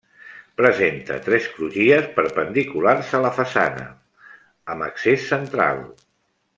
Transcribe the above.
Presenta tres crugies perpendiculars a la façana, amb accés central.